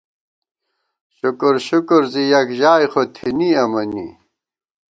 شُکُرشُکُر زی یَک ژائے خو تھنی امَنی